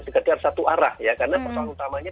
sekedar satu arah ya karena persoalan utamanya